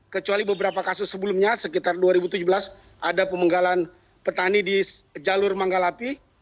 kecuali beberapa kasus sebelumnya sekitar dua ribu tujuh belas ada pemenggalan petani di jalur manggalapi